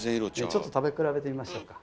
ちょっと食べ比べてみましょうか。